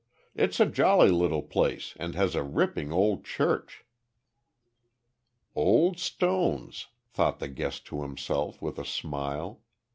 It's a jolly little place and has a ripping old church." "`Old stones,'" thought the guest to himself, with a smile.